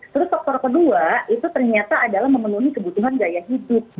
terus faktor kedua itu ternyata adalah memenuhi kebutuhan gaya hidup